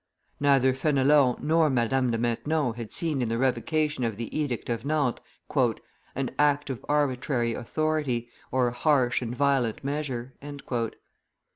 Neither Fenelon nor Madame de Maintenon had seen in the revocation of the edict of Nantes "an act of arbitrary authority, or a harsh and violent measure."